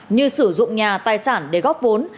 như sử dụng nhà tài sản để góp vốn